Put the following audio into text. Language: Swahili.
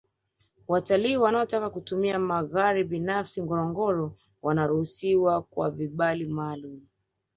watalii wanaotaka kitumia magari binafsi ngorongoro wanaruhusiwa kwa vibali maalumu